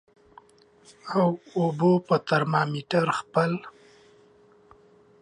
او اوبو په ترمامیټر خپل